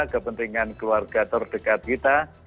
kepentingan keluarga terdekat kita